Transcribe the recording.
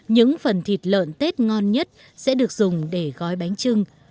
những phần thịt lợn tết ngon nhất sẽ được dùng để gói bánh trưng